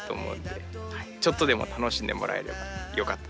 ちょっとでも楽しんでもらえればよかった。